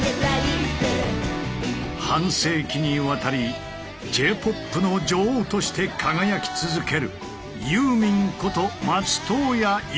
半世紀にわたりＪ−ＰＯＰの女王として輝き続けるユーミンこと松任谷由実！